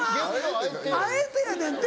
あえてやねんて。